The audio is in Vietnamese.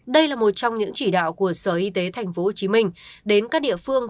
đây là một trong những chỉ đạo của sở y tế tp hcm đến các địa phương